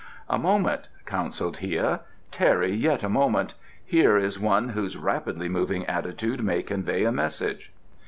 "A moment," counselled Hia. "Tarry yet a moment. Here is one whose rapidly moving attitude may convey a message."